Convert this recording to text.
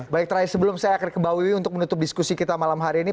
baik terakhir sebelum saya kebawah untuk menutup diskusi kita malam hari ini